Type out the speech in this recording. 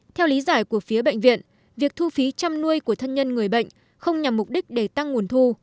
theo lý giải của phía bệnh viện việc thu phí chăm nuôi của thân nhân người bệnh không nhằm mục đích để tăng nguồn thu